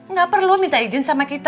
nggak perlu minta izin sama kita